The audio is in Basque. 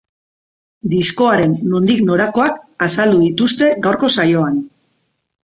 Diskoaren nondik norakoak azaldu dituzte gaurko saioan.